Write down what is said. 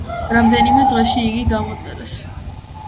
რამდენიმე დღეში იგი გამოწერეს.